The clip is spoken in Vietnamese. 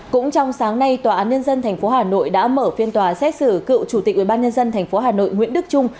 cũng trong sáng nay tòa án nhân dân tp hà nội đã mở phiên tòa xét xử cựu chủ tịch ubnd tp hà nội nguyễn đức trung